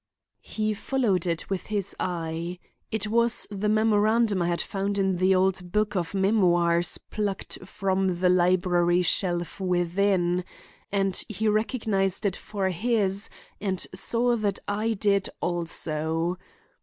He followed it with his eye. It was the memorandum I had found in the old book of memoirs plucked from the library shelf within, and he recognized it for his and saw that I did also.